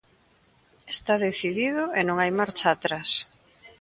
Está decidido e non hai marcha atrás.